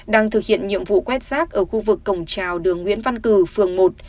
đang thực hiện nhiệm vụ quét rác ở khu vực cổng trào đường nguyễn văn cử phường một